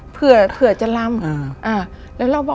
เผื่อจะลำ